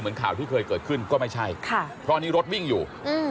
เหมือนข่าวที่เคยเกิดขึ้นก็ไม่ใช่คราวนี้รถวิ่งอยู่